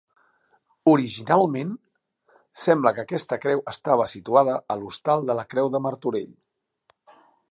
Originalment sembla que aquesta creu estava situada a l'Hostal de la Creu de Martorell.